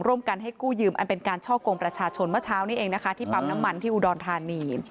ร่วมกันให้กู้ยืมอันเป็นการช่อกงประชาชนเมื่อเช้านี้เองนะคะที่ปั๊มน้ำมันที่อุดรธานี